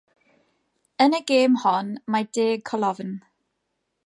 Yn y gêm hon, mae deg colofn.